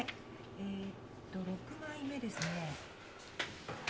えーっと６枚目ですね。